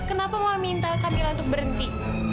kenapa mama minta kamila untuk berhenti